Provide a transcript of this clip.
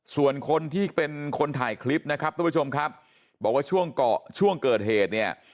ส่วนคนที่เป็นคนถ่ายคลิปนะครับทุกผู้ชมครับบอกว่าช่วงเกาะช่วงเกิดเหตุเนี่ย